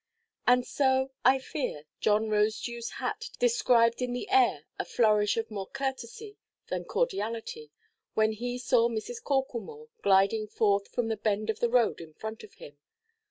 And so, I fear, John Rosedewʼs hat described in the air a flourish of more courtesy than cordiality, when he saw Mrs. Corklemore gliding forth from the bend of the road in front of him.